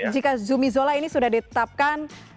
jika zumizola ini sudah ditetapkan